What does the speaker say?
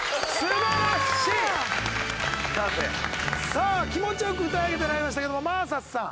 さあ気持ち良く歌い上げていられましたけども真麻さん。